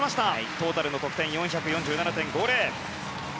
トータルの得点４４７．５０。